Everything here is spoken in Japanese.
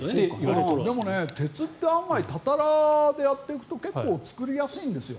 でも、鉄って案外たたらでやっていくと結構、作りやすいんですよ。